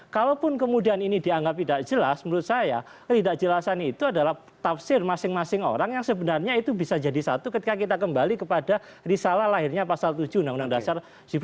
kalaupun kemudian ini dianggap tidak jelas menurut saya tidak jelasan itu adalah tafsir masing masing orang yang sebenarnya itu bisa jadi satu ketika kita kembali kepada risalah lahirnya pasal tujuh undang undang dasar